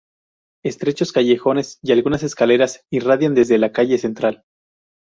Estrechos callejones y algunas escaleras irradian desde la "calle" central.